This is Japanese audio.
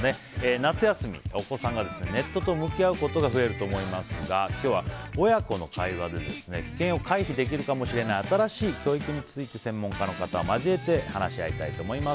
夏休み、お子さんがネットと向き合うことが増えると思いますが今日は親子の会話で危険を回避できるかもしれない新しい教育について専門家の方を交えて話し合いたいと思います。